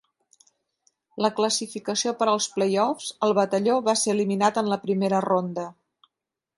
La classificació per als playoffs, el batalló va ser eliminat en la primera ronda.